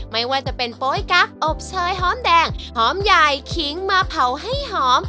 ไม่ว่าจะเป็นโป๊ยกั๊กอบเชยหอมแดงหอมใหญ่ขิงมาเผาให้หอม